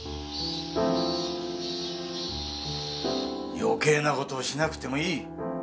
余計な事をしなくてもいい。